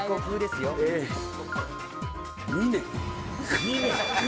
ミネ。